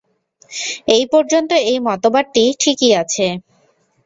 এই পর্যন্ত এই মতবাদটি ঠিকই আছে।